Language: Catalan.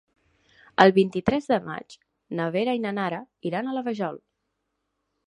El vint-i-tres de maig na Vera i na Nara iran a la Vajol.